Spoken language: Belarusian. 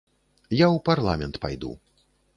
Я ў парламент пайду.